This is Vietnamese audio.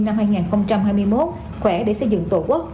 năm hai nghìn hai mươi một khỏe để xây dựng tổ quốc